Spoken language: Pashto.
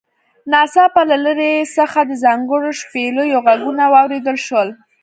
ناڅاپه له لرې څخه د ځانګړو شپېلیو غږونه واوریدل شول